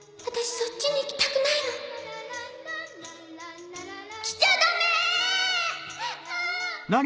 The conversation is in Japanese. そっちに行きたくないの来ちゃダメ！